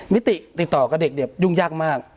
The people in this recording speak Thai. วิธีติดต่อกับเด็กเด็บยุ่งยากมาก